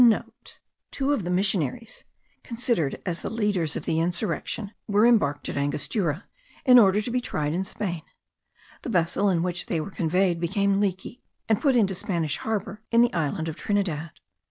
*(* Two of the missionaries, considered as the leaders of the insurrection, were embarked at Angostura, in order to be tried in Spain. The vessel in which they were conveyed became leaky, and put into Spanish Harbour in the island of Trinidad.